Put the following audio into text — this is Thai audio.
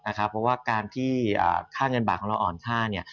นะครับเพราะว่าการที่ข้าเงินบาทอ่อนค่าเนี่ย